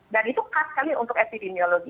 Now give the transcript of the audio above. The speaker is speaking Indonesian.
dan itu khas sekali untuk epidemiologi